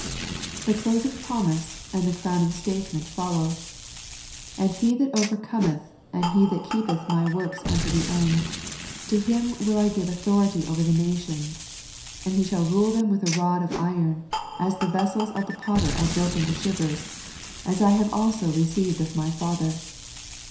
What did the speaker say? The closing promise and the crowning state ment follow. " And he that overcometh, and he that keepeth My works unto the end, to him will I give authority over the nations : and he shall rule them with a rod of iron, as the ves sels of the potter are broken to shivers; as I also have received of My Father."